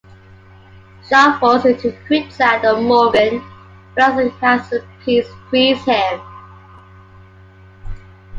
Shaw falls into quicksand and Morgan, realizing he has the piece, frees him.